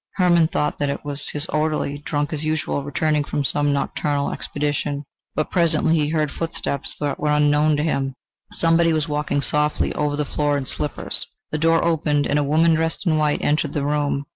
Hermann thought that it was his orderly, drunk as usual, returning from some nocturnal expedition, but presently he heard footsteps that were unknown to him: somebody was walking softly over the floor in slippers. The door opened, and a woman dressed in white, entered the room.